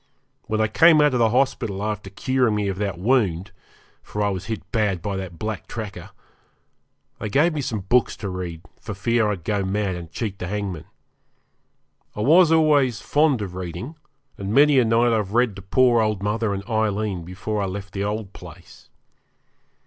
When I came out of the hospital after curing me of that wound for I was hit bad by that black tracker they gave me some books to read for fear I'd go mad and cheat the hangman. I was always fond of reading, and many a night I've read to poor old mother and Aileen before I left the old place.